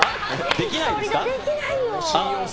できないですか？